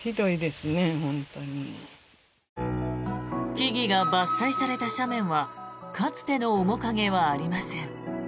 木々が伐採された斜面はかつての面影はありません。